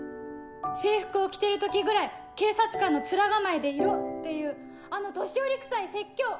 「制服を着てる時ぐらい警察官の面構えでいろ」っていうあの年寄りくさい説教！